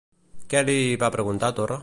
Què li va preguntar Torra?